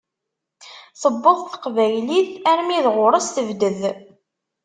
Tewweḍ teqbaylit armi d ɣur-s, tebded.